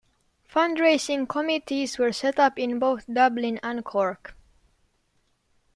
Fundraising committees were set up in both Dublin and Cork.